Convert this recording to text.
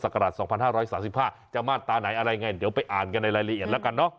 กำไรบ้างบ้านเบือบ